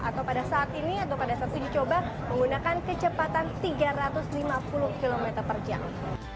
atau pada saat ini atau pada saat uji coba menggunakan kecepatan tiga ratus lima puluh km per jam